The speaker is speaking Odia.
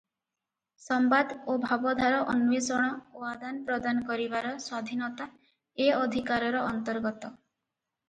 ସମ୍ୱାଦ ଓ ଭାବଧାର ଅନ୍ୱେଷଣ ଓ ଆଦାନ ପ୍ରଦାନ କରିବାର ସ୍ୱାଧୀନତା ଏ ଅଧିକାରର ଅନ୍ତର୍ଗତ ।